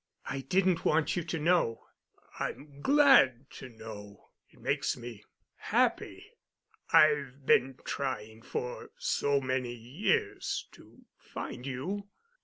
I didn't want you to know." "I'm glad to know. It makes me—happy. I've been trying for so many years to find you."